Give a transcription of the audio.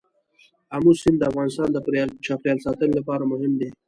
آمو سیند د افغانستان د چاپیریال ساتنې لپاره مهم دي.